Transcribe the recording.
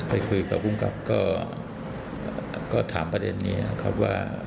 ไปคุยกับภูมิกับก็ถามประเด็นนี้นะครับว่า